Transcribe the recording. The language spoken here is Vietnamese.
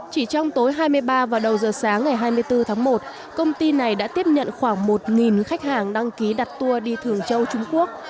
chỉ trong tối hai mươi ba và đầu giờ sáng ngày hai mươi bốn tháng một công ty này đã tiếp nhận khoảng một khách hàng đăng ký đặt tour đi thường châu trung quốc